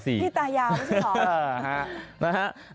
พี่ตายาวใช่หรอ